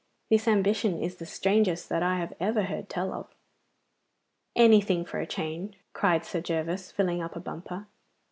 'This ambition is the strangest that I have ever heard tell of.' 'Anything for a change,' cried Sir Gervas, filling up a bumper.